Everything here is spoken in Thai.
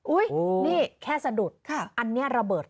นี่แค่สะดุดอันนี้ระเบิด